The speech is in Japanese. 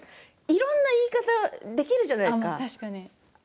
いろんな言い方ができるじゃないですか。